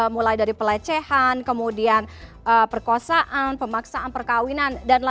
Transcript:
mulai dari pelecehan kemudian perkosaan pemaksaan perkawinan